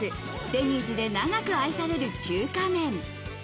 デニーズで長く愛される中華麺。